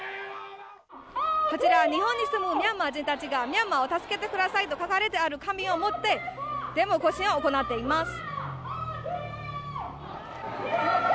こちら日本に住むミャンマー人たちがミャンマーを助けてくださいと書かれている紙を持ってデモ行進を行っています。